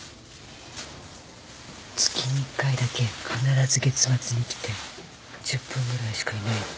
月に１回だけ必ず月末に来て１０分ぐらいしかいないの。